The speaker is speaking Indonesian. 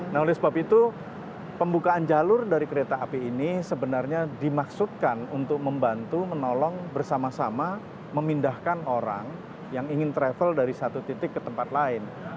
nah oleh sebab itu pembukaan jalur dari kereta api ini sebenarnya dimaksudkan untuk membantu menolong bersama sama memindahkan orang yang ingin travel dari satu titik ke tempat lain